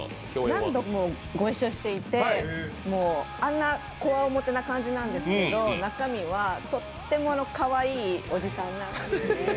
何度もご一緒していてあんなこわもてな感じなんですけど、中身は、とてもかわいいおじさんなんです。